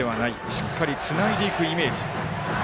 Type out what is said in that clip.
しっかり、つないでいくイメージ。